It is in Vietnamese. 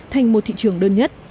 thành một thị trường đơn nhất